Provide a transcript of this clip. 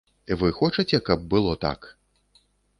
Вы хочаце, каб было так?